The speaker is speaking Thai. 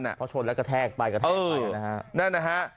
เพราะชนแล้วกระแทกไปนะฮะ